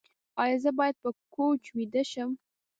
ایا زه باید په کوچ ویده شم؟